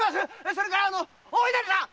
それからお稲荷さん！